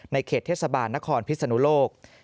เขตเทศบาลนครพิศนุโลก